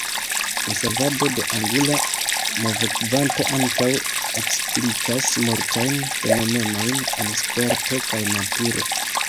Konservado de angula movokvanto ankaŭ eksplikas multajn fenomenojn en sporto kaj naturo.